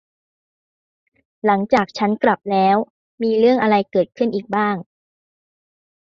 หลังจากฉับกลับแล้ว มีเรื่องอะไรเกิดขึ้นอีกบ้าง